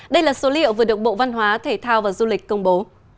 đây là số liệu vừa được bộ văn hóa thể thao và du lịch công bố